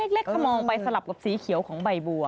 เล็กเขามองไปสลับกับสีเขียวของใบบัว